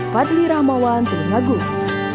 fadli rahmawan telunagung